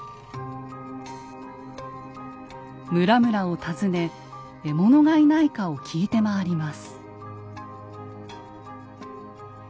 村々を訪ね獲物がいないかを聞いて回ります。